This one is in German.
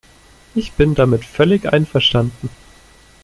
Ich bin damit völlig einverstanden.